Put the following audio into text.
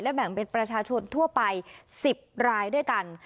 แบ่งเป็นประชาชนทั่วไป๑๐รายด้วยกัน